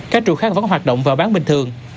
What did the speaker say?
các trụ khác vẫn hoạt động và bán bình thường